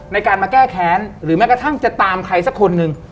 ในการมาแก้แค้นหรือแม้กระทั่งจะตามใครสักคนหนึ่ง